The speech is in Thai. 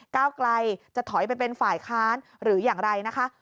ก้าวไกลจะถอยไปเป็นฝ่ายค้านหรืออย่างไรนะคะ